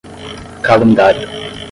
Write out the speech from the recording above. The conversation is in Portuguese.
calendário